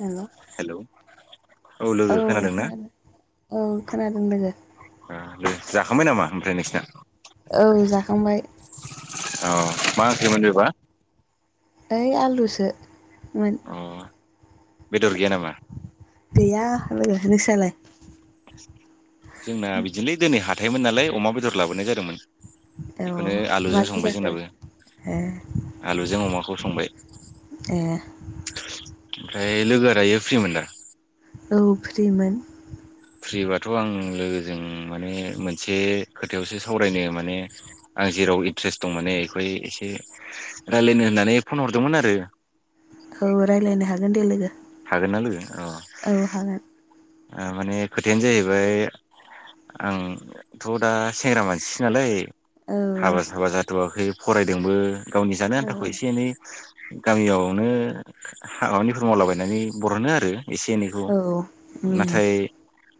हेल' hello औ खोनादों औ खोनादों लोगो। ओ दे जाखांबाय नामा ओमफ्राय नोंसिना? औ जाखांबाय। औ मा ओंख्रि मोन बेबा? ओइ आलुसो मोन। अ बेदर गैया नामा? गैया लोगो नोंस्रालाय? जोंना बिदिनोलै दिनै हाथायमोन नालाय अमा बेदर लाबोनाय जादोंमोन। औ बेखौनो आलुजों माजों संबाय जाखो जोंनाबो। ए आलुजों अमाखौ संबाय। ए ओमफ्राय लोगोआ दायो फ्रिमोन दा? औ फ्रिमोन। फ्रिबाथ' आं लोगोजों माने मोनसे खोथायावसो सावरायनो माने आं जेराव इन्ट्रेस्ट दं माने बेखौहाय एसे रायजलायनो होननानै फन हरदोंमोन आरो। औ रायज्लायनो हागोन दे लोगो। हागोना लोगो? औ औ हागोन। माने खोथायानो जाहैबाय आंथ' दा सेंग्रा मानसि नालाय औ हाबा साबा जाथ'वाखै फरायदोंबो गावनि जानो आन्थाखौ एसे औ एनै गामियावनो खामानिफोर मावलाबायनानै बर'नो आरो एसे एनैखौ। औ उम नाथाय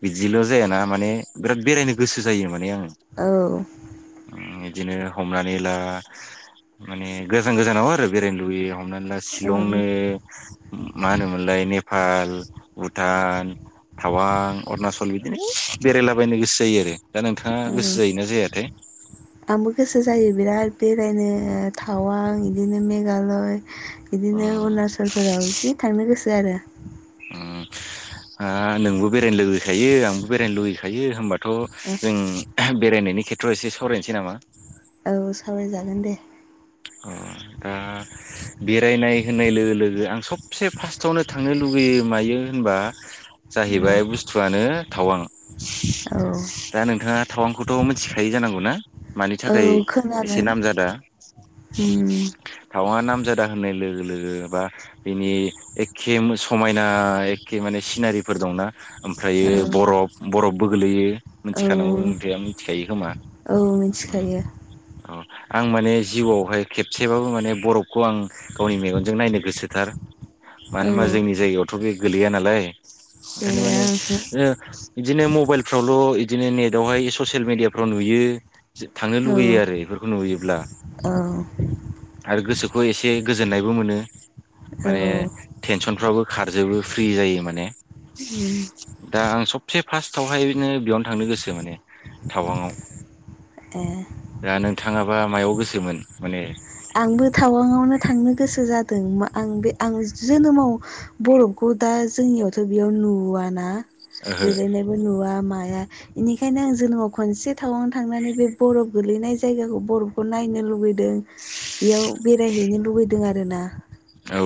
बिदिल' जायाना माने बिराद बेरायनो गोसो जायो माने आङो। औ बिदिनो हमनानै ला माने गोजान-गोजानाव आरो बेरायनो लुबैयो हमोना शिलंनो नो औ मा होनोमोनलाय नेपाल भुटान टावां अरुणाचल बिदिनो बेरायलाबायनो गोसो जायो आरो दा नोंथाङा गोसो जायोना जाया? [inaudible] आंबो गोसो जायो बिराद बेरायनो टावां बिदिनो मेघालय बिदिनो उम अरुणाचलफोराव जि थांनो गोसो आरो। उम ओ नोंबो बेरायनो लुुबैखायो आंबो बेरायनो लुुबैखायो होमबाथ' जों बेरायनाय नि खेथ्रआव एसे सावरायनोसै नामा? औ सावरायजागोन दे। उम बेरायनाय होननाय लोगो लोगो आं सबसे फार्स्टावनो थांनो लुबैयो मायो होनबा औ जाहैबाय बुस्थुआनो थावां। औ दा नोंथाङा थावांखौथ' मिथिखायो जानांगौ ना? मानि थाखाय औ एसे खोनादों नाम जादा? उम नाम जादा होननाय लोगो लोगो बा बिनि एखे मो समायना एखे माने सि नारिफोर दंना औ ओमफ्रायो बरफ बरफबो गोलैयो औ मिथिखानांगौ गैया मिथिखायो खोमा? औ उम मिथिखायो औ आं माने जिउआवहाय खेबसेबाबो माने बरफखौ आं गावनि मेगनजों नायनो गोसोथार। मानो होमबा औ जोंनि जायगायावथ' बे गोलैया नालाय ओंखायनो गैया माने ओ बिदिनो मबाइलफ्रावल' इदिनो नेटवहाय ससियेल मिडियाफ्राव नुयो। जि थांनो औ लुुबैयो आरो इफोरखौ नुयोब्ला। औ आरो गोसोखौ एसे गोजोननायबो मोनो औ माने टेनसनफ्राबो खारजोबो फ्रि जायो माने उम दा आं सबसे फास्टावहायनो बेयावनो थांनो गोसो माने थावांआव ए दा नों थाङाबा मायाव गोसोमोन माने आंबो टावांआवनो थांनो गोसो जादों मा आं बे आं जोनोमाव बरफखौ दा जोंनियावथ' बेयाव नुवा ना ओहो गोलैनायबो नुवा मा या निखायनो आं जोनोमाव खनसे टावांआवनो थांनानै बे बरफ गोलैनाय जायगाखौ बरफखौ नायनो लुबैदों बेयाव बेरायहैनो लुबैदों आरोना। औ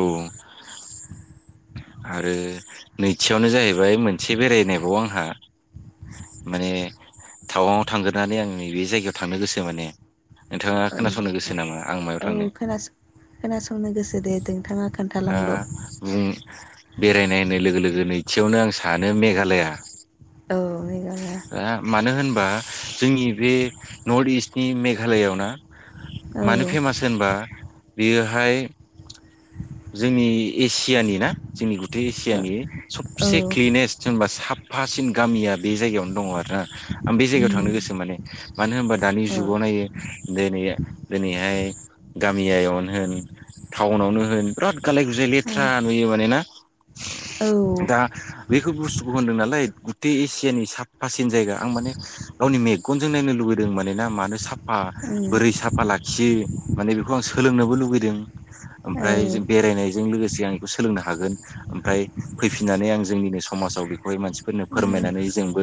आरो नैथियावनो जाहैबाय मोनसे बेरायनायबाव आंहा माने टावांआव थांग्रानै आं नैबे जायगायाव थांनो गोसो माने नोंथाङा खोनासंनो औ गोसो नामा आं मायाव औ थांनो खोनास खोनासंनो गोसो दे नोंथाङा ओ खोन्थालांल' बुं बेरायनाय होननाय लोगो लोगो नैथियावनो आं सानो मेघालया। औ मेघालया ओआ मानो होनबा जोंनि बे नर्थ इस्टनि मेघालयआव ना मानो औ फेमास होनबा बियोहाय जोंनि एसियानि ना जोंनि गुथै एसियानि सबसे औ क्लिनेस्ट जोनबा साफासिन गामिया बे जायगायावनो दङ आरो ना आं बे जायगायाव उम थांनो गोसो माने मानो होमबा दानि औ जुगाव नायो दोनै दोनैहाय गामियायावनो होन टाउनावनो होन बिराद गालाय गुजाय लेथ्रा नुयो माने ना औ दा बेखौ बुस्थुखौ होनदों नालाय गुथे एसियानि साफासिन जायगा आं माने गावनि मेगनजों नायनो लुबैदों माने ना मानो साफा उम बोरै साफा लाखियो माने बेखौ आं सोलोंनोबो लुुबैदों औ ओमफाय जों बेरायनायजों लोगोसे आं इखौ सोलोंनो हागोन ओमफ्राय फैफिननानै आं जोंनिनो समाजाव बेखौहाय मानसि फोरनो उम फोरमायनानै जोंबो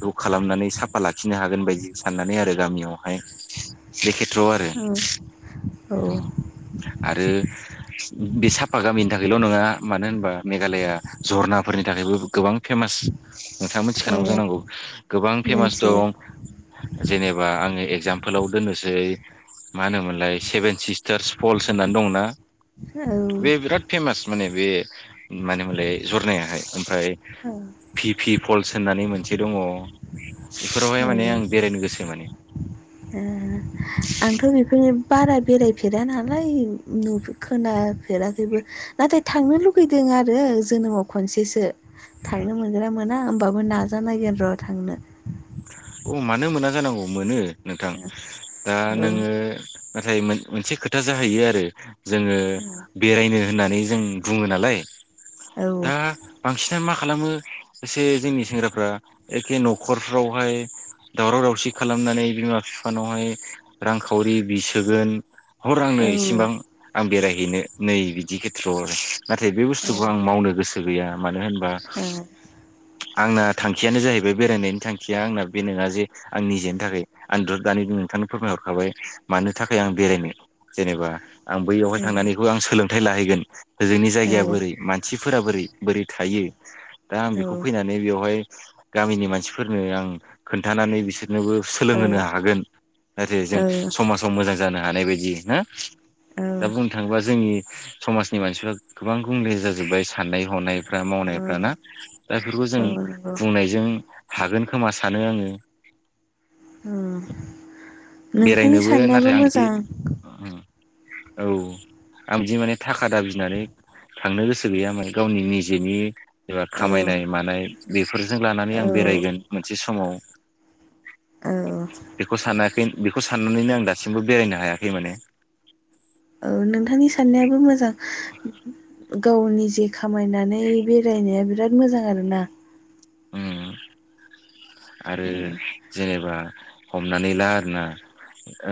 खौ खालामनानै साफा लाखिनो हागोन बायदि साननानै आरो गामियावहाय बे खेथ्र'आव आरो औ औ आरो बे साफा गामिनि थाखायल' नङा मानो होनबा मेघालया झरनाफोरनि थाखायबो गोबां फेमास नोंथाङा औ मिथिखानांगौ जानांगौ गोबां फेमास मोनथियो दं जेनेबा आङो एगजामफोलाव दोननोसै मा होनोमोनलाय सेभेन सिस्टार्स फल्स होननानै दंना औ बे बिराद फेमास माने बे मानो मोनलाय जरनायाहाय ओमफ्राय औ फि फि फल्स होननानै मोनसे दङ' बेफोरावहाय औ माने आं बेरायनो गोसो माने [unintelligible] आंथ' बेफोरनि बारा बेरायफेरा नालाय [unintelligible] खोनाफेराखैबो नाथाय थांनो लुगैदों आरो जोनोमाव खनसेसो थांनो मोनगोना मोना होमबाबो नाजानायगोन र' थांनो औ मानो मोना जानांगौ मोनो नोंथां दा औ नोङो नाथाय मोन - मोनसे खोथा जाहैयो आरो जोङो बेरायनो होननानै जों बुङो नालाय औ दा बांसिनानो‌ मा खालामो एसे जोंनि सेंग्राफ्रा एखे नख'रफ्रावहाय दावराव दावसि खालामनानै बिमा फिफानावहाय रांखावरि बिसोगोन हर आंनो इसेबां औ आं बेरायहैनो नै बिदि खेथ्र'आव आरो नाथाय बे औ बुस्थुखौ आं मावनो ओ गोसो गैया मानो होनबा आंना थांखियानो जाहैबाय बेरायनायनि थांखिया आंना बे नोङा जे आं निजेनि थाखाय आं द' दानिबो नोंथांनो फोरमायहरखाबाय मानो थाखाय आं बेरायनो जेनेबा आं बैयावहाय नोंथांनि थांनानैखौ आं सोलोंथाइ लाहैगोन होजोंनि जायगाया बोरै मानसि फोरा बोरै-बोरै थायो दा आं बेखौ फैनानै बेवहाय गामिनि मानसिफोरनो आं खोन्थानानै बिसोरनोबो सोलोंहोनो हागोन जाहाथे जों समाजाव मोजां जानो हानाय बायदि ना दा बुंनो थाङोबा जोंनि समाजनि मानसिफ्रा गोबां गुबुंले जाजोब्बाय साननाय हनायफ्रा मावनाय नायफ्रा ना दा बेफोरखौ जों बुंनायजों हागोन खोमा सानो आङो बेरायनोबो साननायाबो नाथाय आं बिदि मोजां ओं औ आं जि माने थाखा दाबिनानै थांनो गोसो गैया माने गावनि निजेनि एबा औ खामायनाय मानाय बेफोरजों लानानै औ आं बे बेरायगोन मोनसे समाव औ बेखौ सानाखै बेखौ साननानैनो आं दासिमबो बेरायनो हायाखै माने औ नोंथांनि गाव नि जे खामायनानै बेरायनाया बिराद मोजां आरोना उम आरो जेनेबा हमनानै ला आरोना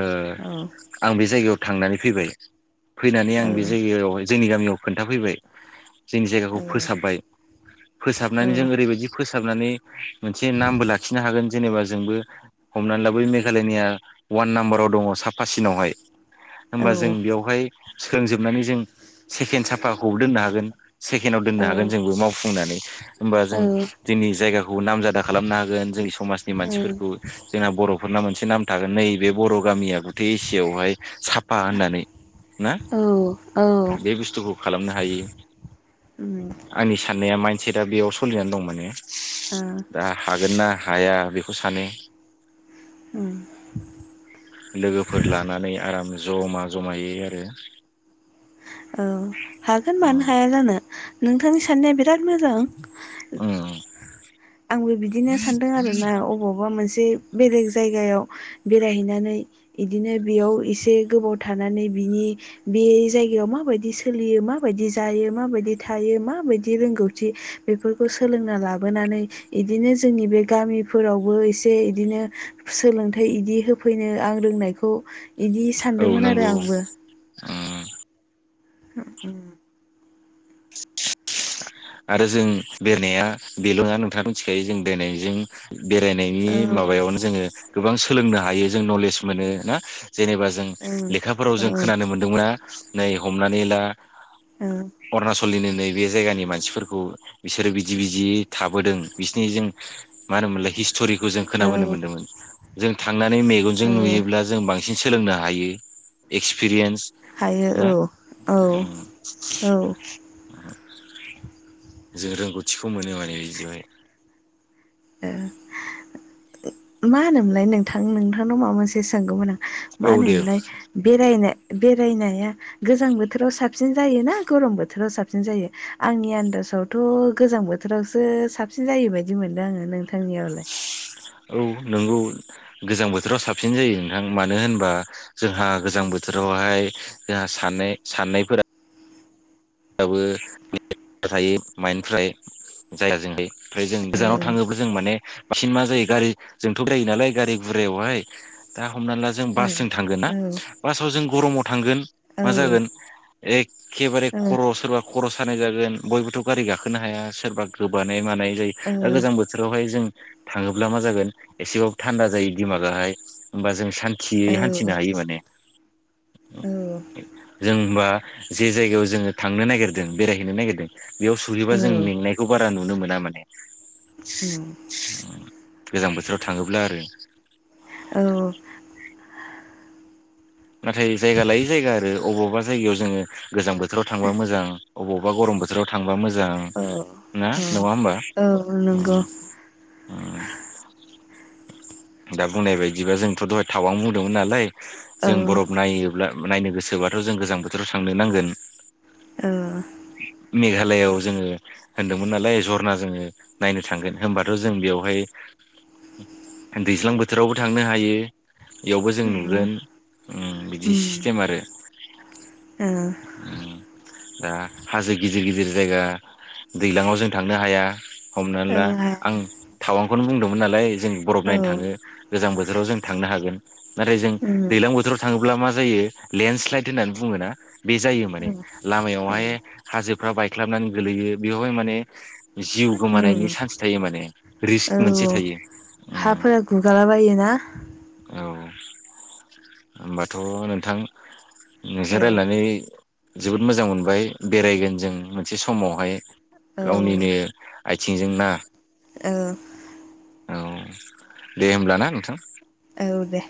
ओ औ आं बे जायगायाव थांनानै फैबाय फैनानै आं औ बे जायगायावहाय जोंनि गामियाव खोन्थाफैबाय जोंनि औ जायगाखौ फोसाबबाय फोसाबनानै जों ओरैबायदि फोसाबनानै मोनसे नामबो लाखिनो हागोन जेनेबा जोंबो हमनानै लाबाय मेघालयनिया वान नाम्बाराव दङ' साफासिनावहाय औ होमबा जों बेयावहाय सोलोंजोबनानै जों सेखेन साफाखौ दोननो हागोन सेकेनआव दोननो हागोन जोंबो मावफुंनानै होमबा जों जोंनि जायगाखौ नामजादा खालामनो हागोन जोंनि समाजनि मानसिफोरखौ जोंहा बर' फोरना मोनसे नाम थागोन नै नैबे बर‌' गामिया बुथे एसियाव हाय साफा होननानै ना औ औ बे बुस्थुखौ खालामनो हायो आंनि साननाया माइन्दसेटआ बेयाव सलिनानै दं माने दा हागोन ना हाया बेखौ सानो [inaudible] लोगोफोर लानानै आराम जमा जमायै आरो औ हागोन मानो हाया जानो नोंथांनि साननाया बिराद मोजां आंबो बिदिनो सान्दों आरोना अबावबा मोन नसे बेलेग जायगायाव बेरायहैनानै इदिनो बेयाव एसे गोबाव थानानै बिनि बे जायगायाव माबायदि सोलियो माबायदि जायो माबायदि थायो मा‌बायदि रोंगौथि बेफोरखौ सोलोंना लाबोनानै इदिनो जोंनि बे गामिफोरावबो एसे इदिनो सोलोंथाइ इदि होफैनो आं रोंनायखौ इदि औ सान्दोंमोन आरो नंगौ आंबो । औ [inaudible] आरो जों बेरायनाया बेल' नङा नोंथाङा मिथिखायो जों बेरायनायजों बेरायनायनि औ माबायावनो जोङो गोबां सोलोंनो हायो जों नलेज मोनो ना जेनेबा जों औ लेखाफोराव जों औ खोनानो मोनदोंमोना नै हमनानै ला औ सलिनो नै बे जायगानि मानसिफोरखौ बिसोरो बिदि- बिदि थाबोदों बिसिनि जों मा होनोमोनलाय हिस्ट'रिखौ जों औ खोनोनो मोनदोंमोन जों थांनानै मेगनजों ओ नुयोब्ला जों बां सिन सोलोंनो हायो एक्सपिरियेन्स हायो ना औ -औ उम -औ । जों रोंगौथिखौ मोनो माने बिदियावहाय ओ मा होनोमोनलाय नोंथां नोंथांनाव माबा मोनसे सोंगौमोन आं? मा औ दे होनोमोनलाय बेरायनो बेरायनाया गोजां बोथोराव साबसिन जायो ना गरम बोथोराव साबसिन जायो आंनि आन्दास आवथ' गोजां बोथोरावसो साबसिन जायो बायदि मोन नो आङो नोंथांनियावलाय? नोंगौ गोजां बोथोराव साबसिन जायो नोंथां मानो होनबा जोंहा गोजां बोथोरावहाय जोंहा साननाय साननायफोरा [unintelligible] थायो माइडफ्रा । जाया जोंहाय ओमफ्राय जों ओ गोजानाव थाङोब्ला जों माने बांसिन मा जायो गारि जोंथ' दायो नालाय गारि गु गारियावहाय दा हमनानै ला जों ओ बासजों थांगोन ना औ बासाव जों गरमाव थांगोन औ ओ मा जागोन? एखखेबारे खर' सोरबा खर' सानाय जागोन बयबोथ' गारि गाखोनो हाया सोरबा गोबानाय मानाय जायो दा गोजां बोथोरावहाय जों थाङोब्ला मा जागोन एसेबाबो थान्दा जायो दिमागाहाय होमबा जों सान्थि हान्थिनो ओ हायो माने जों होमबा जे जायगायाव जोङो थांनो नागिरदों बेरायहैनो नागिरदों बेयाव सहैबा औ जों मेंनायखौ बारा नु नुनो मोना माने । उम गोजां बोथोराव थाङोब्ला आरो । औ नाथाय जायगा लायै जायगा आरो अबावबा जायगायाव जोङो गोजां बोथोराव थांबा मोजां अबावबा गरम बोथोराव थांबा मोजां औ ना औ नङा होमबा? औ नंगौ उम दा बुंनाय बायदिबा जोंथ' दहाय थावां बुंदोंमोन नालाय औ जों बरफ नायोब्ला नायनो गोसो बाथ' जों गोजां बोथोरावसो थांनो नांगोन । औ मेघालयआव जोङो होनदोंमोन नालाय जरना जोङो नायनो थांगोन होनबाथ' जों बेवहाय दैज्लां बोथोरावबो थांनो हायो । इयावबो जों उम नुगोन बिदि सिस्टेम आरो ओ उम दा हाजो गिदिर गिदिर जायगा दैलाङाव जों थांनो हाया हमनानै ला आं ओ थावां खौनो बुंदों मोन नालाय जों बरफ औ नाय नो थाङो गोजां बोथोराव जों थांनो हागोन नाथाइ जों उम दैज्लां बोथोराव थाङोब्ला मा जायो लेण्डस स्लाइद होननानै बुङोना बे जायो माने औ लामायाव हाय ए हाजोफ्रा बायख्लाब नानै गोलैयो बेयाव जों माने जिउ उम गोमानायनि सान्स थायो माने रिस्क मोनसे थायो उम । गुगाला बायोना? औ होमबाथ' नोंथां नोंजों औ रायलायनानै जोबोद मोजां मोनबाय बेराय गोन जों मोनसे समाव हाय औ गावनिनो आइथिं जों ना औ। औ दे होमब्ला ना नोंथां? औ दे